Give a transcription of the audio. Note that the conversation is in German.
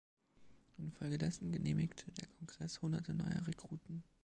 Infolgedessen genehmigte der Kongress Hunderte neuer Rekruten.